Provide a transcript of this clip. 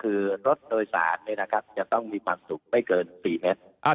คือรถโดยศาลนี่นะครับจะต้องมีความสุขไม่เกิน๔เมตร